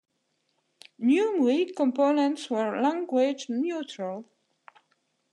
Newi components were language-neutral.